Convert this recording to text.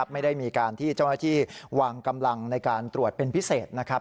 ไม่ได้มีการที่เจ้าหน้าที่วางกำลังในการตรวจเป็นพิเศษนะครับ